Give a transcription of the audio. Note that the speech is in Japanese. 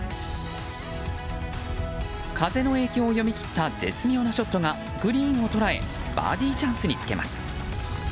風の影響を読み切った絶妙なショットがグリーンを捉えバーディーチャンスにつけます。